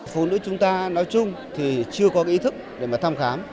phụ nữ chúng ta nói chung thì chưa có cái ý thức để mà thăm khám